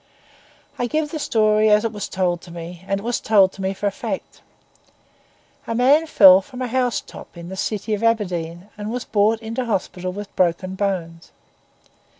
I give the story as it was told me, and it was told me for a fact. A man fell from a housetop in the city of Aberdeen, and was brought into hospital with broken bones.